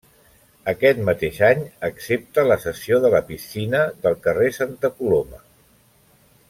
Aquest mateix any accepta la cessió de la piscina del carrer Santa Coloma.